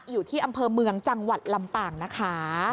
อยู่ที่อำเภอเมืองจังหวัดลำปางนะคะ